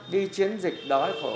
đi chiến dịch đói khổ